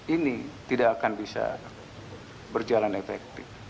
ini tidak akan bisa berjalan efektif